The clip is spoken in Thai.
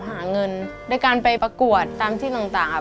หาเงินด้วยการไปประกวดตามที่ต่างครับ